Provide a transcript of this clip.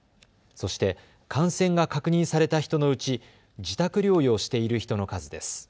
そして感染が確認された人のうち自宅療養している人の数です。